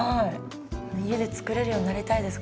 家で作れるようになりたいです